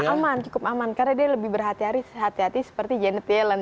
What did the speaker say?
aman cukup aman karena dia lebih berhati hati hati seperti janet yellen